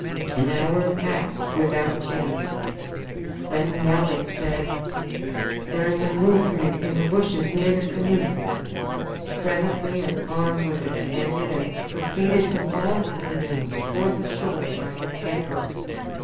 An hour passed without change. Then Nelly said: "There is a movement in the bushes near the canoe." Presently an arm was extended and proceeded to haul the canoe toward the shore by its head rope.